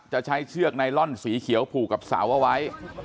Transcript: จะใช้เชือกไนลอนสีเขียวผูกกับเสาเอาไว้